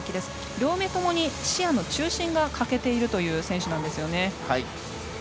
両目とも視野の中心が欠けている選手なんですよね。